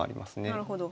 なるほど。